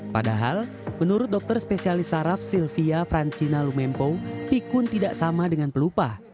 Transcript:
padahal menurut dokter spesialis saraf sylvia francina lumempo pikun tidak sama dengan pelupa